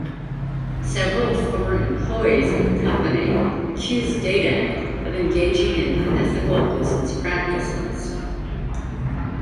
Several former employees of the company accused Dadak of engaging in unethical business practices.